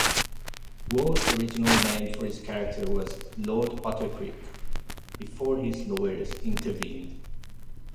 Waugh's original name for his character was "Lord Ottercreek", before his lawyers intervened.